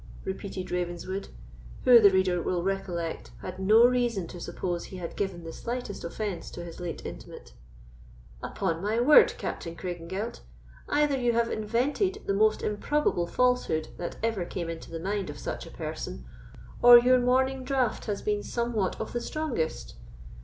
repeated Ravenswood, who, the reader will recollect, had no reason to suppose he had given the slightest offence to his late intimate; "upon my word, Captain Craigengelt, either you have invented the most improbable falsehood that ever came into the mind of such a person, or your morning draught has been somewhat of the strongest.